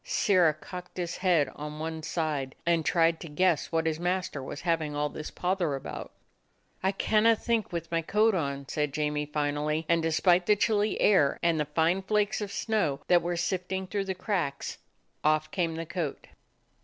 Sirrah cocked his head on one side, and tried to guess what his master was having all this pother about. "I canna think with my coat on," said Jamie finally, and despite the chilly air and the fine flakes of snow that were sifting through the cracks, off came the coat.